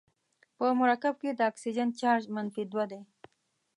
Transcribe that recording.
په مرکب کې د اکسیجن چارج منفي دوه دی.